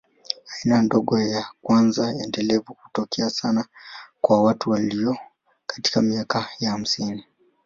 Aina ndogo ya kwanza endelevu hutokea sana kwa watu walio katika miaka ya hamsini.